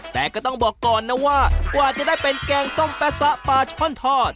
แต่ก็ต้องบอกก่อนนะว่ากว่าจะได้เป็นแกงส้มแป๊ซะปลาช่อนทอด